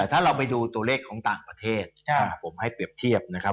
ถ้าเราไปดูตัวเลขของต่างประเทศผมให้เปรียบเทียบนะครับ